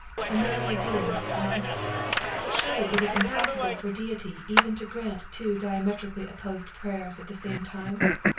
A mad idea, wasn't it? Surely it is impossible for Deity even to grant two diametrically opposite prayers at the same time?